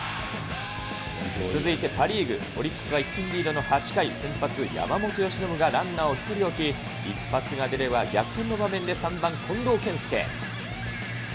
続いてパ・リーグ、オリックスは１点リードの８回、先発、山本由伸がランナーを１人置き、一発が出れば逆転の場面で３番近藤健介。